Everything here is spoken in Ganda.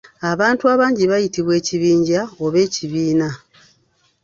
Abantu abangi bayitibwa ekibinja oba ekibiina.